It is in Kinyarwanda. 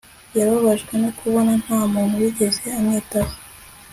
Yababajwe no kubona nta muntu wigeze amwitaho